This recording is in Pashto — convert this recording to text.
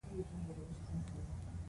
آیا ارزانه بریښنا د صنعت لپاره ښه نه ده؟